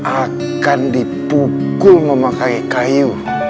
akan dipukul memakai kayu